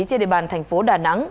trên đề bàn thành phố đà nẵng